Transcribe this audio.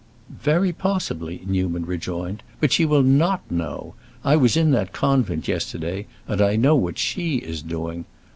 "Very possibly," Newman rejoined. "But she will not know. I was in that convent yesterday and I know what she is doing.